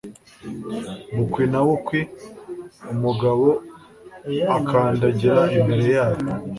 Bukwi na bukwi, umugabo akandagira imbere yabo.